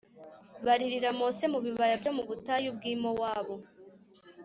baririra mose mu bibaya byo mu butayu bw’i mowabu